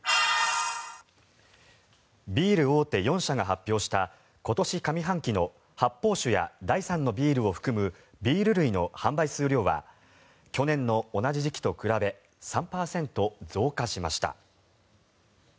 ビール大手４社が発表した今年上半期の発泡酒や第３のビールを含むビール類の販売数量は去年の同じ時期と比べ３％増加しました。